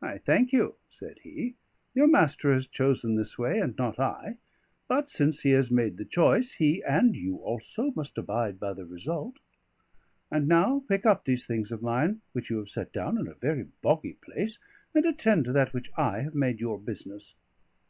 "I thank you," said he. "Your master has chosen this way, and not I; but since he has made the choice, he (and you also) must abide by the result. And now pick up these things of mine, which you have set down in a very boggy place, and attend to that which I have made your business."